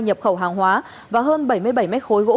nhập khẩu hàng hóa và hơn bảy mươi bảy mét khối gỗ